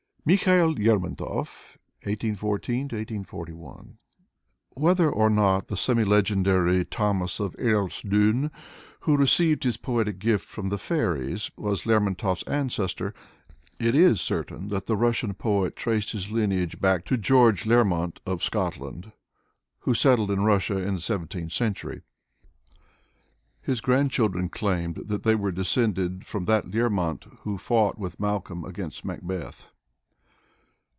Mikhail Lermontov (18x4 1841) Whether or not the semi legendary Thomas of Erceldoune, who received his poetic gift from the fairies, was Lermontov's ancestor, it is certain that the Russian poet traced his lineage back to George Learmont of Scotland, who settled in Russia in the seventeenth century. His grandchildren claimed that they were descended from that Learmont who fought with Malcolm against Macbeth.